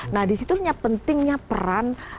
nah disitu pentingnya peran